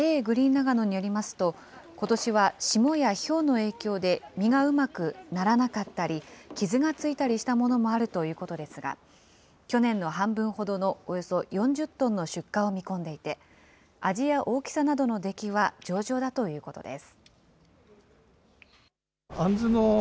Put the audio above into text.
長野によりますと、ことしは霜やひょうの影響で実がうまくならなかったり、傷がついたりしたものもあるということですが、去年の半分ほどのおよそ４０トンの出荷を見込んでいて、味や大きさなどの出来は上場だということです。